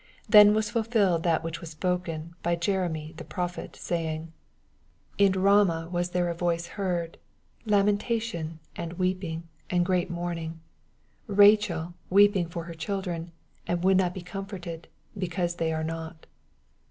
17 Then was fulfilled that which was spoken by Jeremy the prophet, saying, 18 In Bama was there a yoioe hear^ 14 EXPOSITORY THOUGHTS. luii«ntation, and weeping, and great moamiog, Baohel weeping for ber children, and would not be oomforted, becaoM thev are not.